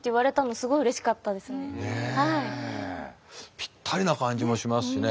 ぴったりな感じもしますしね。